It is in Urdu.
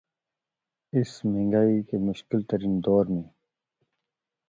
اس مہنگائی کے مشکل ترین دور میں